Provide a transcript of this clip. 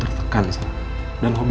karena aku sama nina perempuan